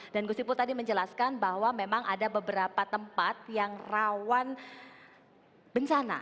dan gusipul tadi menjelaskan bahwa memang ada beberapa tempat yang rawan bencana